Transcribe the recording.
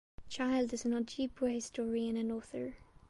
Child is an Ojibwe historian and author.